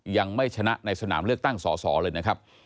ยังไม่ชนะในสนามเลือกตั้งสอสอเลยนะครับ